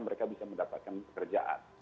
mereka bisa mendapatkan pekerjaan